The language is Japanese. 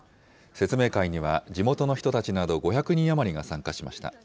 説明会には、地元の人たちなど５００人余りが参加しました。